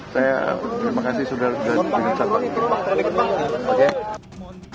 saya terima kasih sudah berjalan dengan sabar